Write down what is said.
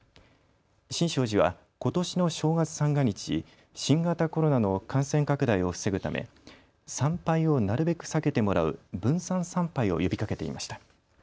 新勝寺は、ことしの正月三が日、新型コロナの感染拡大を防ぐため参拝をなるべく避けてもらう分散参拝を呼びかけていました。